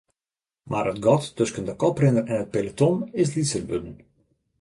Mar it gat tusken de koprinner en it peloton is lytser wurden.